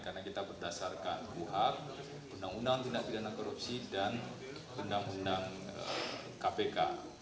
karena kita berdasarkan uhab undang undang tindak pidana korupsi dan undang undang kpk